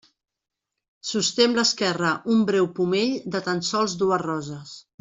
Sosté amb l'esquerra un breu pomell de tan sols dues roses.